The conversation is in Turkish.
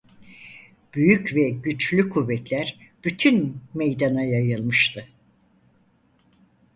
Büyük ve güçlü kuvvetler bütün meydana yayılmıştı.